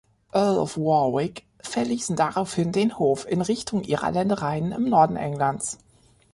Earl of Warwick, verließen daraufhin den Hof in Richtung ihrer Ländereien im Norden Englands.